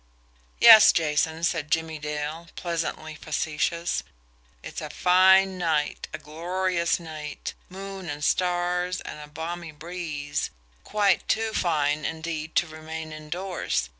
"Yes, Jason." said Jimmie Dale, pleasantly facetious, "it a fine night, a glorious night, moon and stars and a balmy breeze quite too fine, indeed, to remain indoors.